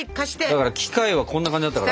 だから機械はこんな感じだったから。